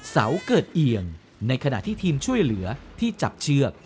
เสาเกิดเอียงในขณะที่ทีมช่วยเหลือที่จับเชือก